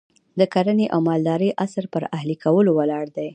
د کرنې او مالدارۍ عصر پر اهلي کولو ولاړ دی.